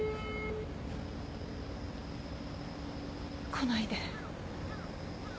来ないで。